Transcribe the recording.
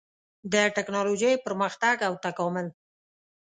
د ټېکنالوجۍ پرمختګ او تکامل